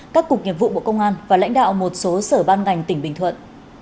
các cục nghiệp vụ bộ công an và lãnh đạo một số sở ban ngành tỉnh bình thuận